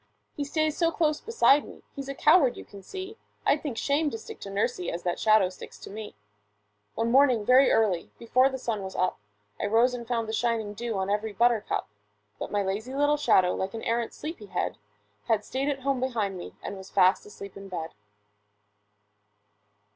He stays so close beside me, he's a coward you can see; I'd think shame to stick to nursie as that shadow sticks to me! MY SHADOW [Pg 21] One morning, very early, before the sun was up, I rose and found the shining dew on every buttercup; But my lazy little shadow, like an arrant sleepy head, Had stayed at home behind me and was fast asleep in bed.